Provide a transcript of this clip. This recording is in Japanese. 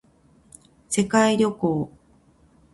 世界旅行